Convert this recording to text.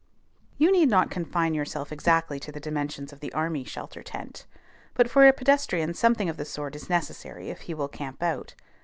You need not confine yourself exactly to the dimensions of the army shelter tent, but for a pedestrian something of the sort is necessary if he will camp out.